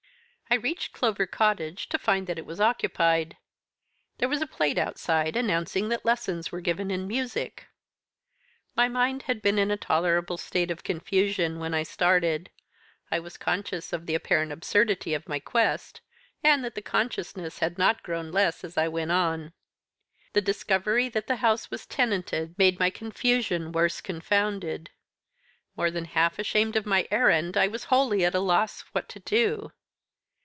I reached Clover Cottage to find that it was occupied. There was a plate outside, announcing that lessons were given in music. My mind had been in a tolerable state of confusion when I started. I was conscious of the apparent absurdity of my quest; and that consciousness had not grown less as I went on. The discovery that the house was tenanted made my confusion worse confounded. More than half ashamed of my errand, I was wholly at a loss what to do.